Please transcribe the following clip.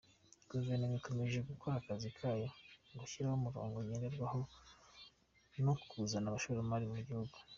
Guverinoma ikomeje gukora akazi kayo mu gushyiraho umurongo ngenderwaho no kuzana abashoramari mu gihugu.